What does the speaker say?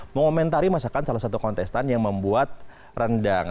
mengomentari masakan salah satu kontestan yang membuat rendang